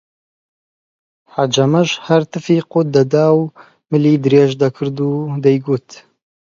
حەجەمەش هەر تفی قووت دەدا و ملی درێژ دەکرد و دەیگوت: